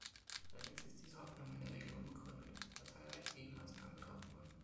Allerdings ist diese Hoffnung in der Regel unbegründet, da zahlreiche Gegenmaßnahmen getroffen wurden.